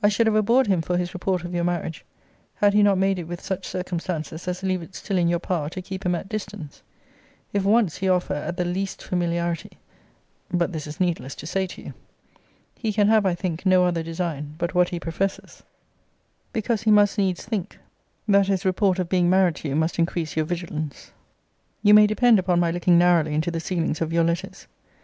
I should have abhorred him for his report of your marriage, had he not made it with such circumstances as leave it still in your power to keep him at distance. If once he offer at the least familiarity but this is needless to say to you. He can have, I think, no other design but what he professes; because he must needs think, that his report of being married to you must increase your vigilance. You may depend upon my looking narrowly into the sealings of your letters.